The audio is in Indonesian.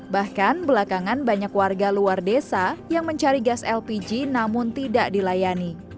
bahkan belakangan banyak warga luar desa yang mencari gas lpg namun tidak dilayani